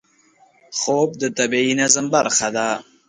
خوب د طبیعي نظم برخه ده